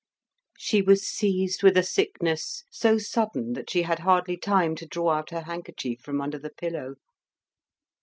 She was seized with a sickness so sudden that she had hardly time to draw out her handkerchief from under the pillow.